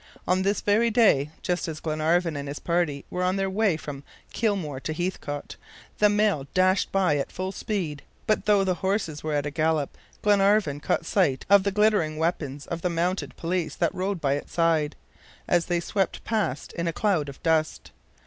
On this very day, just as Glenarvan and his party were on their way from Kilmore to Heathcote, the mail dashed by at full speed; but though the horses were at a gallop, Glenarvan caught sight of the glittering weapons of the mounted police that rode by its side, as they swept past in a cloud of dust.